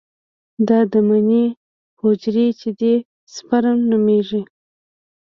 دا د مني حجرې چې دي سپرم نومېږي.